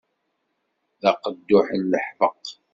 D aqedduḥ n leḥbeq.